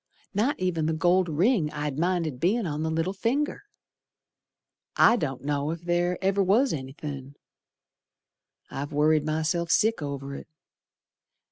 Not ev'n the gold ring I'd minded bein' on the little finger. I don't know ef ther ever was anythin'. I've worried myself sick over it.